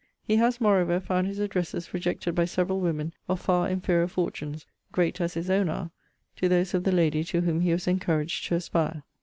He has moreover found his addresses rejected by several women of far inferior fortunes (great as his own are) to those of the lady to whom he was encouraged to aspire.